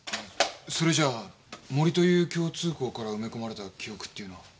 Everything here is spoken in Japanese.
それじゃあ森という共通項から埋め込まれた記憶っていうのは。